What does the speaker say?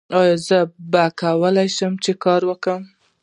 ایا زه به وکولی شم کار وکړم؟